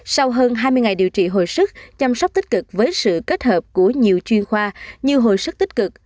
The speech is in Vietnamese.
sau hơn hai mươi ngày điều trị hồi sức chăm sóc tích cực với sự kết hợp của nhiều chuyên khoa như hồi sức tích cực